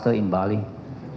karena pembali di bali